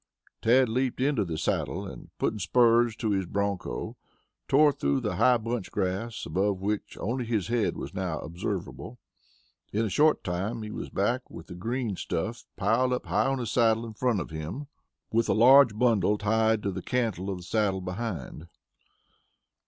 Tad leaped into the saddle, and putting spurs to his broncho, tore through the high bunch grass, above which only his head was now observable. In a short time he was back with the green stuff piled high on the saddle in front of him, with a large bundle tied to the cantle of the saddle behind.